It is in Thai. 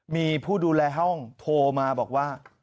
มีผู้ดูแลห้องโทรมาบอกว่า